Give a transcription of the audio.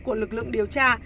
của lực lượng điều tra